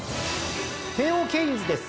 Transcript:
テーオーケインズです。